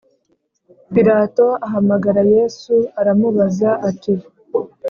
Pilato ahamagara Yesu aramubaza ati